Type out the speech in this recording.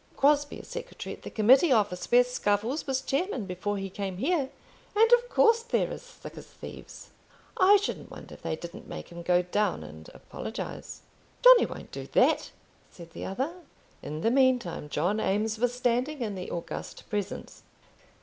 Crosbie is secretary at the Committee Office, where Scuffles was chairman before he came here; and of course they're as thick as thieves. I shouldn't wonder if they didn't make him go down and apologize." "Johnny won't do that," said the other. In the meantime John Eames was standing in the august presence.